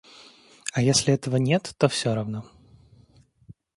А если этого нет, то всё равно.